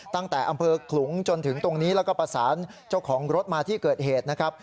ตั้งแต่อำเภอขลุงจนถึงตรงนี้แล้วก็ประสานเจ้าของรถมาที่เกิดเหตุนะครับ